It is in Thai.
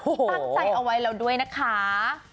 ที่ตั้งใจเอาไว้แล้วด้วยนะคะ